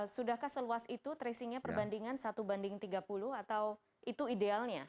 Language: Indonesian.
sudahkah seluas itu tracingnya perbandingan satu banding tiga puluh atau itu idealnya